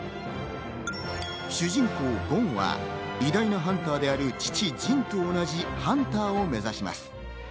主人公・ゴンは偉大なハンターである父・ジンと同じハンターを目指します。